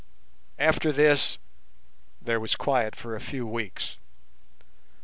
After this there was quiet for a few weeks.